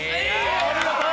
お見事。